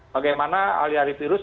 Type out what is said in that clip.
bagaimana alih alih virus